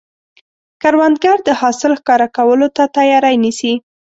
کروندګر د حاصل ښکاره کولو ته تیاری نیسي